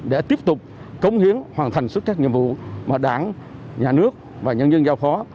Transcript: để tiếp tục cống hiến hoàn thành sức trách nhiệm vụ mà đảng nhà nước và nhân dân giao khó